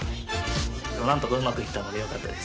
なんとかうまくいったので、よかったです。